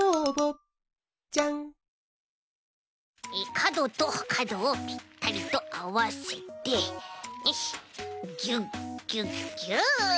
かどとかどをぴったりとあわせてよしギュッギュッギュッ。